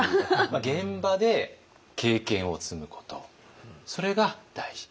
現場で経験を積むことそれが大事。